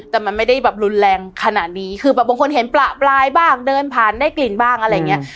แต่มันไม่ได้แบบรุนแรงขนาดนี้คือแบบบางคนเห็นประปรายบ้างเดินผ่านได้กลิ่นบ้างอะไรอย่างเงี้ย